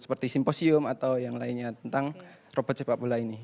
seperti simposium atau yang lainnya tentang robot sepak bola ini